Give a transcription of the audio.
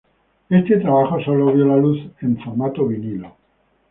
Este trabajo sólo vio la luz en formato Vinilo.